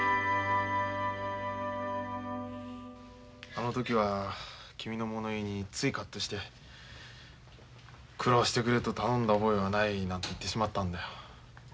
あの時は君の物言いについカッとして「苦労してくれと頼んだ覚えはない」なんて言ってしまったんだよ。